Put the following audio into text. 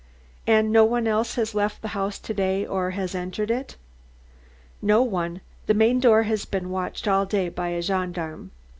"And no one else has left the house to day or has entered it?" "No one. The main door has been watched all day by a gendarme."